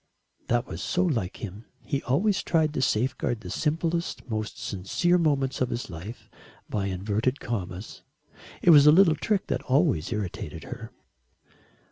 That was so like him. He always tried to safeguard the simplest, most sincere moments of his life by inverted commas. It was a little trick that always irritated her.